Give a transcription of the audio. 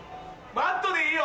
マットでいいよ。